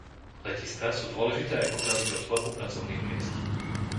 Letiská sú dôležité aj pokiaľ ide o tvorbu pracovných miest.